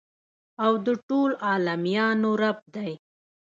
او د ټولو عالميانو رب دى.